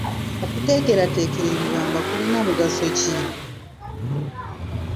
Okuteekerateekera ebibamba kulina mugaso ki?